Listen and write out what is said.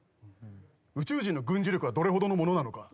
宇宙人の軍事力はどれほどのものなのか？